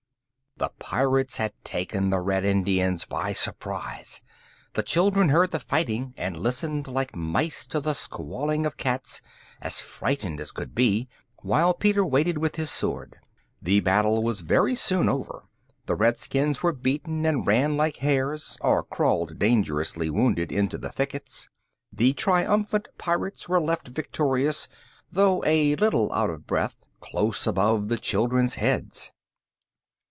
The Pirates had taken the Red Indians by surprise. The children heard the fighting, and listened like mice to the squalling of cats, as frightened as could be, while Peter waited with his sword. The battle was very soon over. The Redskins were beaten and ran like hares, or crawled dangerously wounded into the thickets. The triumphant Pirates were left victorious, though a little out of breath, close above the children's heads.